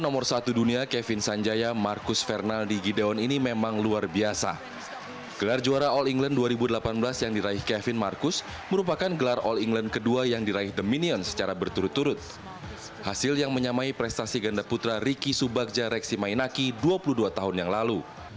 bersama pasangannya marcus fernaldi gideon keduanya juga mencatatkan rekor tidak terkalahkan di dalam sembilan belas turnamen internasional